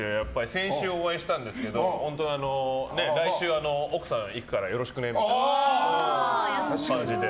先週お会いしたんですけど来週、奥さんが行くからよろしくね、みたいな感じで。